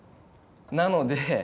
なので。